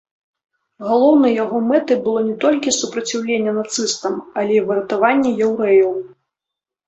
Галоўнай яго мэтай было не толькі супраціўленне нацыстам, але і выратаванне яўрэяў.